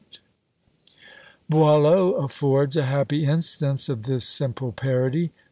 Boileau affords a happy instance of this simple parody.